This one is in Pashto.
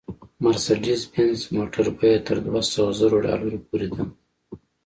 مارسېډیز بینز موټر بیه تر دوه سوه زرو ډالرو پورې ده